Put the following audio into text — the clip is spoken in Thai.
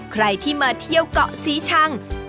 ใครที่มาเที่ยวเกาะศรีชัง